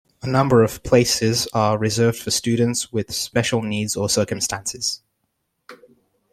A number of places are reserved for students with special needs or circumstances.